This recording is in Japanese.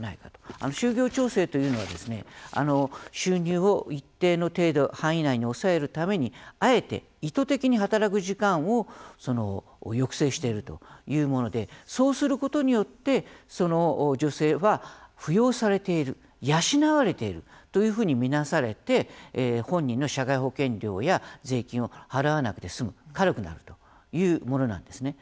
就業調整というのは収入を一定の程度、範囲内に抑えるためにあえて意図的に働く時間を抑制しているというものでそうすることによってその女性は扶養されている養われているというふうにみなされて本人の社会保険料や税金を払わなくて済む軽くなるというものなんですね。